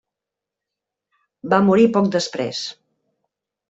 Va morir poc després.